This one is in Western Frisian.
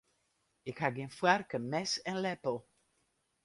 Ik ha gjin foarke, mes en leppel.